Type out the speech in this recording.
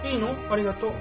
ありがとう。